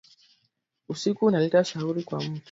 Usiku unaleta shauri kwa mutu